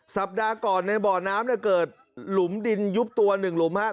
สัปดาห์ก่อนในบ่อน้ำเนี่ยเกิดหลุมดินยุบตัวหนึ่งหลุมครับ